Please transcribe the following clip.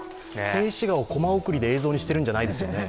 静止画をコマ送りで映像にしてるんじゃないですよね。